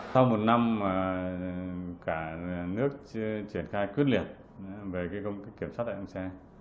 sau một năm cả nước chuyển khai quyết liệt về công kích kiểm soát đại dụng xe